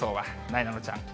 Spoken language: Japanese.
なえなのちゃんは。